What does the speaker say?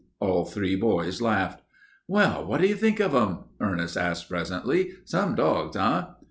All three boys laughed. "Well, what do you think of 'em?" Ernest asked presently. "Some dogs, eh?"